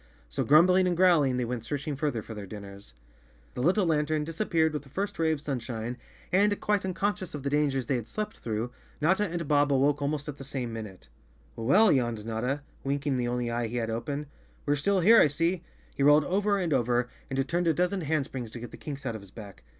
So grumbling and growling, they went searching further for their dinners. The little lantern disappeared with the first ray of sunshine and, quite unconscious of the dangers they 65 The Cowardly Lion of Oz had slept through, Notta and Bob awoke almost at the same minute. "Well," yawned Notta, winking the only eye he had open, " we're still here, I see." He rolled over and over and turned a dozen handsprings to get the kinks out of his back.